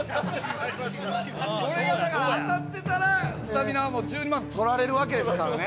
これが当たってたらすたみなは１２万とられるわけですからね